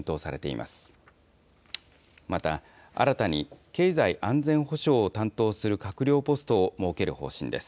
また、新たに経済安全保障を担当する閣僚ポストを設ける方針です。